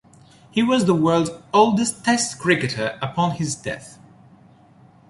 He was the world's oldest Test cricketer upon his death.